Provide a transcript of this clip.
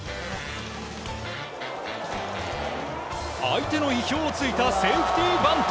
相手の意表を突いたセーフティーバント。